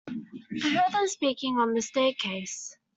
I heard them speaking on the staircase.